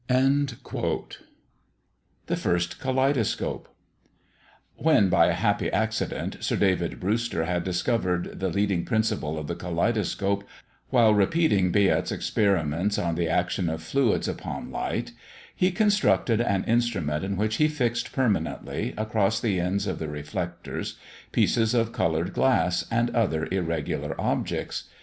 THE FIRST KALEIDOSCOPE. When, by a happy accident, Sir David Brewster had discovered the leading principles of the kaleidoscope while repeating Biot's experiments on the action of fluids upon light, he constructed an instrument in which he fixed permanently, across the ends of the reflectors, pieces of coloured glass, and other irregular objects.